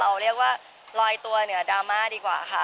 เอาเรียกว่าลอยตัวเหนือดราม่าดีกว่าค่ะ